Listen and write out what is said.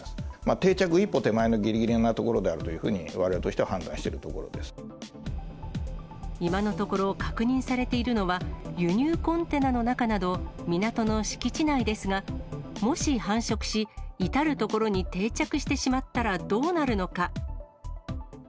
定着一歩手前のぎりぎりなところであるというふうにわれわれとし今のところ、確認されているのは、輸入コンテナの中など、港の敷地内ですが、もし繁殖し、至る所に定着してしまったらどうなるのか。